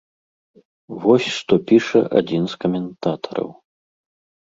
Вось што піша адзін з каментатараў.